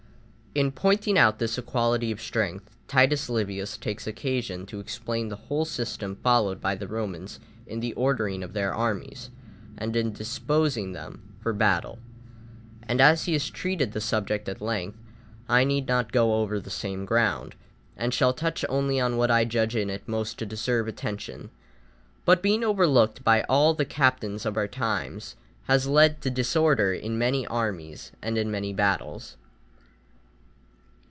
In pointing out this equality of strength, Titus Livius takes occasion to explain the whole system followed by the Romans in the ordering of their armies and in disposing them for battle; and as he has treated the subject at length, I need not go over the same ground, and shall touch only on what I judge in it most to deserve attention, but, being overlooked by all the captains of our times, has led to disorder in many armies and in many battles.